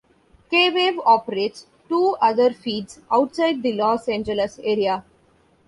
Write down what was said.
K-Wave operates two other feeds outside the Los Angeles area.